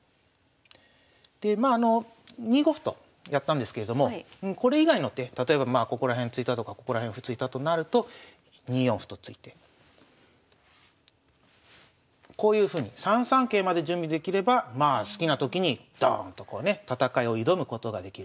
でまあ２五歩とやったんですけれどもこれ以外の手例えばまあここら辺突いたとかここら辺歩突いたとなると２四歩と突いてこういうふうに３三桂まで準備できれば好きな時にドーンとこうね戦いを挑むことができる。